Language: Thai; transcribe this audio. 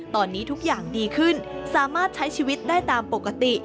ตอนนี้ทุกอย่างดีขึ้นสามารถใช้ชีวิตได้ตามปกติ